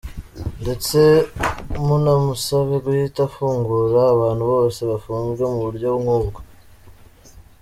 ndetse munamusabe guhita afungura abantu bose bafunzwe mu buryo nkubwo.